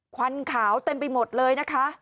ควันขาวเต็มไปหมดเลยนะคะ